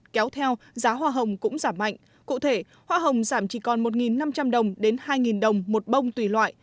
kéo theo giá hoa hồng cũng giảm mạnh cụ thể hoa hồng giảm chỉ còn một năm trăm linh đồng đến hai đồng một bông tùy loại